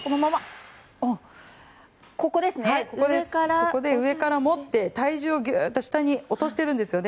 ここで上から持って、体重を下に落としてるんですよね。